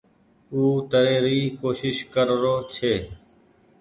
او تري ري ڪوشش ڪر رو ڇي۔